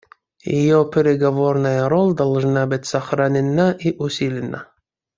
Ее переговорная роль должна быть сохранена и усилена.